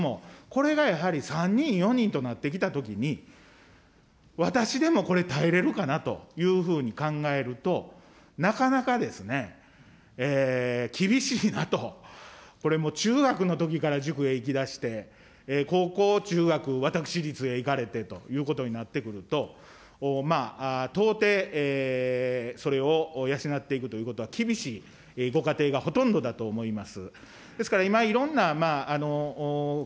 これがやはり、３人、４人となってきたときに、私でもこれ、耐えれるかなというふうに考えると、なかなかですね、厳しいなと、これもう、中学のときから塾へ行きだして、高校、中学、私立へいかれてということになってくると、到底、それを養っていくということは厳しいご家庭がほとんどだと思います。